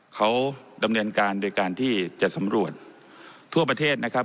เขาดำเนินการโดยการที่จะสำรวจทั่วประเทศนะครับ